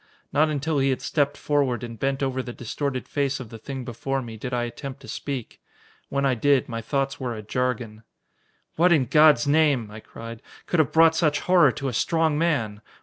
Not until he had stepped forward and bent over the distorted face of the thing before me, did I attempt to speak. When I did, my thoughts were a jargon. "What, in God's name," I cried, "could have brought such horror to a strong man?